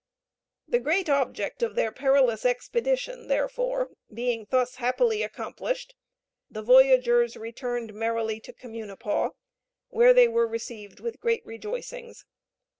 The great object of their perilous expedition, therefore, being thus happily accomplished, the voyagers returned merrily to Communipaw, where they were received with great rejoicings.